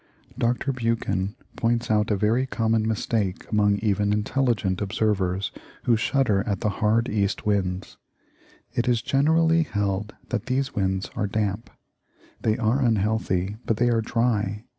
Dr. Buchan points out a very common mistake among even intelligent observers who shudder at the hard east winds. It is generally held that these winds are damp. They are unhealthy, but they are dry.